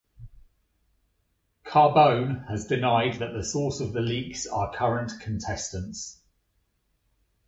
Carbone has denied that the source of the leaks are current contestants.